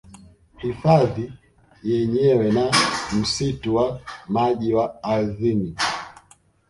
Hifadhi yenyewe na msitu wa maji wa ardhini